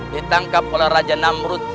ditangkap oleh raja namrud